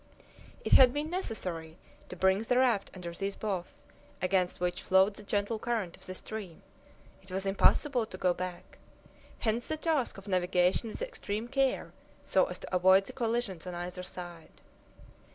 It had been necessary to bring the raft under these boughs, against which flowed the gentle current of the stream. It was impossible to go back. Hence the task of navigating with extreme care, so as to avoid the collisions on either side.